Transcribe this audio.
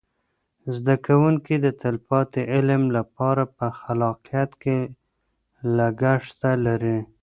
زده کوونکي د تلپاتې علم لپاره په خلاقیت کې لګښته لري.